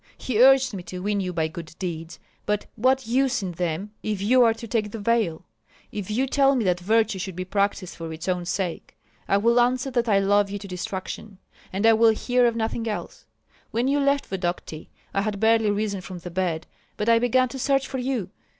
He urged me to win you by good deeds. But what use in them if you are to take the veil? If you tell me that virtue should be practised for its own sake, I will answer that I love you to distraction, and I will hear of nothing else. When you left Vodokty, I had barely risen from the bed but I began to search for you.